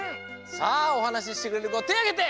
さあおはなししてくれるこてあげて。